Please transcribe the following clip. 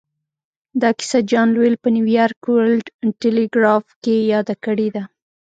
دا کيسه جان لويل په نيويارک ورلډ ټيليګراف کې ياده کړې ده.